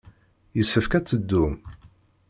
Yessefk ad teddum.